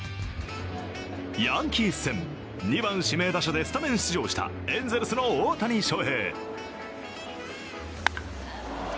ヤンキース戦、２番指名打者でスタメン出場したエンゼルスの大谷翔平。